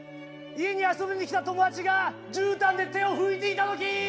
家に遊びに来た友達がじゅうたんで手を拭いていた時。